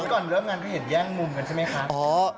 ก่อนเริ่มงานก็เห็นแย่งมุมกันใช่ไหมคะ